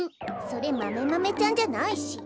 それマメマメちゃんじゃないし。